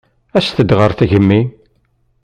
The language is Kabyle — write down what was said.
Aset-d ɣer tgemmi.